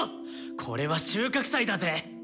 これは収穫祭だぜ。